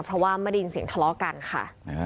เพราะว่าไม่ได้ยินเสียงทะเลาะกันค่ะ